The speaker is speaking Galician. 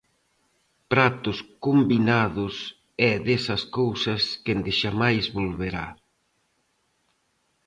Pratos Combinados é desas cousas que endexamais volverá.